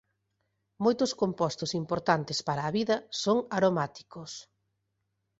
Moitos compostos importantes para a vida son aromáticos.